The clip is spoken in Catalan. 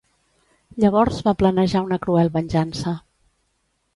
Llavors va planejar una cruel venjança.